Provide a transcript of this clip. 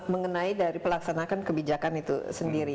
mengenai dari pelaksanaan kebijakan itu sendiri